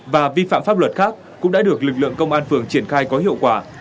và vi phạm pháp luật khác cũng đã được lực lượng công an phường triển khai có hiệu quả